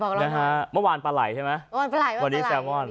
บอกเลยนะฮะเมื่อวานปลาไหล่ใช่มั้ยมันพาไหล่วันนี้แซลมอน